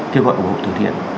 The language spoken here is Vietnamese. kêu gọi ủng hộ tử thiện